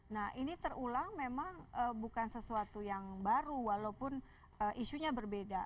nah ini terulang memang bukan sesuatu yang baru walaupun isunya berbeda